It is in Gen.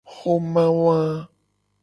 Xoma wa.